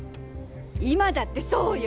今だってそうよ！